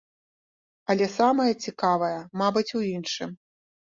Але самае цікавае, мабыць, у іншым.